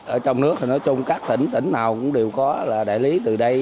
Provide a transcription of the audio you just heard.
ở trong nước thì nói chung các tỉnh tỉnh nào cũng đều có là đại lý từ đây